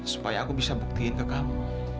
supaya aku bisa buktiin ke kamu